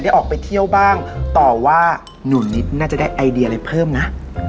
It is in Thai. ออกไปเที่ยวบ้างต่อว่าหนูนิดน่าจะได้ไอเดียอะไรเพิ่มนะ